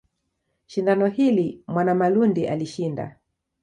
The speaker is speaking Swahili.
Shindano hili Mwanamalundi alishinda.